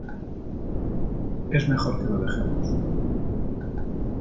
es mejor que lo dejemos ,